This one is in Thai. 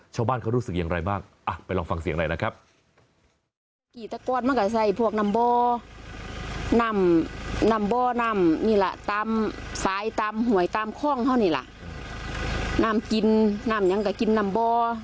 ชาวบ้านเขารู้สึกอย่างไรบ้างไปลองฟังเสียงหน่อยนะครับ